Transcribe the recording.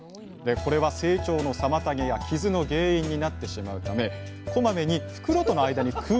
これは成長の妨げや傷の原因になってしまうためこまめに袋との間に空間をつくったりあ手間かかる。